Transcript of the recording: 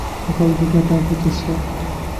د خلکو ګټه پکې شته